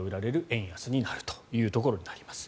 円安になるというところです。